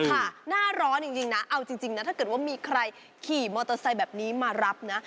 หน้าร้อนจริงนะเอาจริงนะถ้าเกิดว่ามีใครขี่มอเตอร์ไซค์แบบนี้มารับนะ